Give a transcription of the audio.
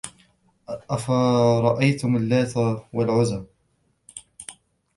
أَفَرَأَيتُمُ اللّاتَ وَالعُزّى